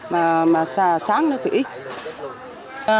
mà sáng nó thì ít